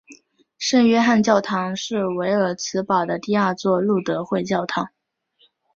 圣约翰教堂是维尔茨堡的第二座路德会教堂。